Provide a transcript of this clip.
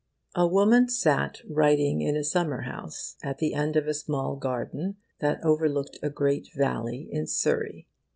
A woman sat writing in a summer house at the end of a small garden that overlooked a great valley in Surrey.